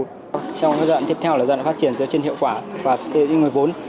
trong giai đoạn tiếp theo là giai đoạn phát triển do trên hiệu quả và xây dựng người vốn